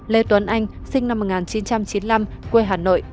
lê tuấn anh sinh năm một nghìn chín trăm chín mươi năm quê hà nội